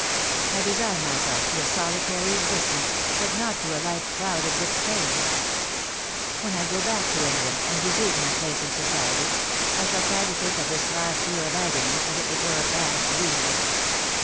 I resign myself to a solitary existence but not to a life clouded with shame. When I go back to England and resume my place in society, I shall try to think of this last year of agony as if it were a bad dream.